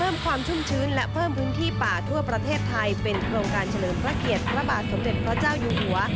เป็นโครงการเฉลิมพระเกียรติพระบาทสมเด็จพระเจ้าอยู่หัว